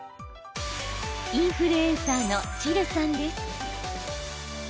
インフルエンサーのチルさんです。